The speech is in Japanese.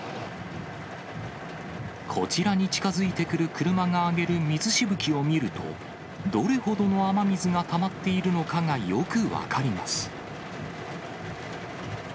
こちらに近づいてくる車が上げる水しぶきを見ると、どれほどの雨水がたまっているのかがよく分かります。